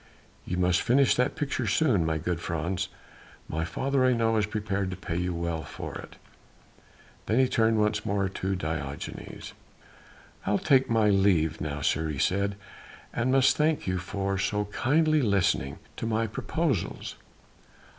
You must finish that picture soon, my good Frans. My father I know is prepared to pay you well for it." Then he turned once more to Diogenes. "I'll take my leave now, sir," he said, "and must thank you for so kindly listening to my proposals.